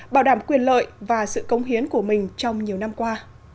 bảo đảm quyền lợi và sự công hiến của mình trong nhiều năm qua